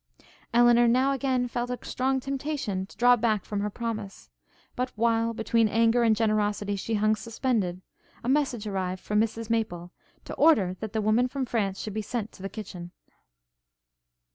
Elinor now again felt a strong temptation to draw back from her promise; but while, between anger and generosity, she hung suspended, a message arrived from Mrs Maple, to order that the woman from France should be sent to the kitchen.